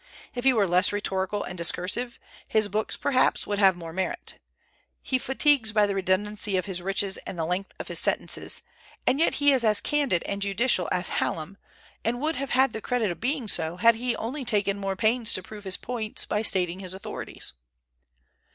If he were less rhetorical and discursive, his books, perhaps, would have more merit. He fatigues by the redundancy of his richness and the length of his sentences; and yet he is as candid and judicial as Hallam, and would have had the credit of being so, had he only taken more pains to prove his points by stating his authorities.